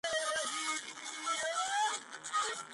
ნიადაგს აქვს ვულკანური წარმოშობა და გამოირჩევა მაღალი ნაყოფიერებით.